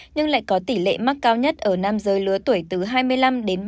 nhưng lại có tỷ lệ mắc cao nhất ở nam giới lứa tuổi từ hai mươi năm đến ba mươi